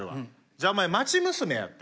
じゃあお前町娘やって。